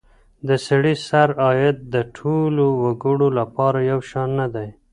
د سړي سر عايد د ټولو وګړو لپاره يو شان نه دی.